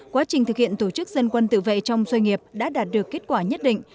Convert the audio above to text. quá trình thực hiện tổ chức dân quân tự vệ trong xoay nghiệp đã đạt được kết quả nhất định